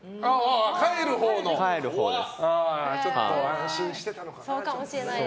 ちょっと安心してたのかな。